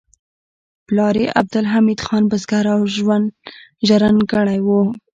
پلار یې عبدالحمید خان بزګر او ژرندګړی و